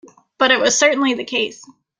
But it was certainly the case.